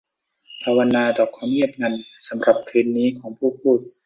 ภาวนาต่อความเงียบงันสำหรับคืนนี้ของผู้พูด